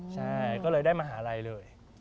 ใช่ก็เลยได้มหาลัยเลย